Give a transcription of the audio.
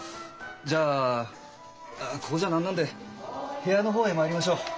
じゃあここじゃなんなんで部屋の方へ参りましょう。